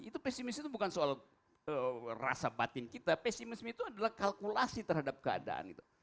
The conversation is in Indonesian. itu pesimis itu bukan soal rasa batin kita pesimisme itu adalah kalkulasi terhadap keadaan gitu